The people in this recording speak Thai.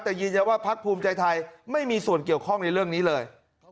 แต่ยืนยันว่าพักภูมิใจไทยไม่มีส่วนเกี่ยวข้องในเรื่องนี้เลย